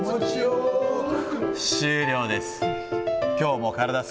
終了です。